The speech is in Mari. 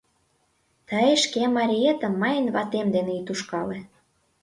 — Тый шке мариетым мыйын ватем дене ит ушкале!